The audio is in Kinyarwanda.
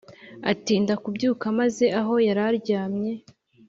atinda kubyuka maze aho yararyame